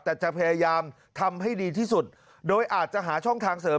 แต่จะพยายามทำให้ดีที่สุดโดยอาจจะหาช่องทางเสริม